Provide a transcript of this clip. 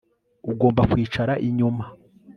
Ugomba kwicara inyuma